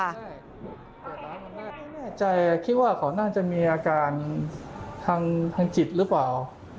ใช่ไม่แน่ใจคิดว่าเขาน่าจะมีอาการทางจิตหรือเปล่า